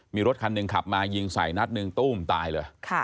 มีรถคันหนึ่งขับมายิงใส่นัดหนึ่งตู้มตายเลย